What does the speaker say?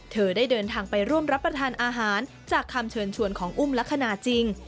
เธอได้เดินทางไปร่วมรับประทานอาหารจากคำเชิญชวนของอุ้มลักษณะจริง